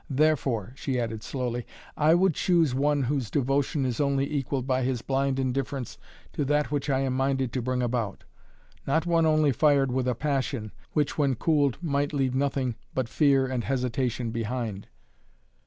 Therefore," she added slowly, "I would choose one whose devotion is only equalled by his blind indifference to that which I am minded to bring about; not one only fired with a passion, which when cooled might leave nothing but fear and hesitation behind."